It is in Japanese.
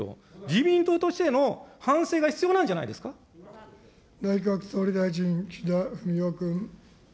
自民党としての反省が必要なんじ内閣総理大臣、岸田文雄君。